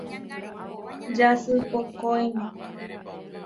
Jasypokõime.